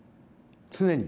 常に。